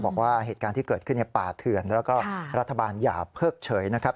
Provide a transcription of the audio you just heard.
บอกว่าเหตุการณ์ที่เกิดขึ้นในป่าเถื่อนแล้วก็รัฐบาลอย่าเพิกเฉยนะครับ